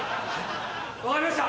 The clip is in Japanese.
分かりました！